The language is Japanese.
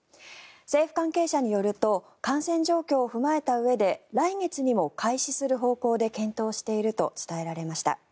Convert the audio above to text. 政府関係者によると感染状況を踏まえたうえで来月にも開始する方向で検討していると伝えられました。